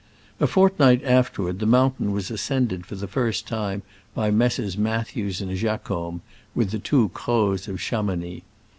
A fortnight afterward the mountain was ascended for the first time by Messrs. Mathews and Jacomb, with the two Crozes of Chamounix.